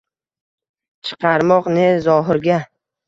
Chiqarmoq ne zohirga.